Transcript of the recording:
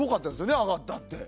上がったって。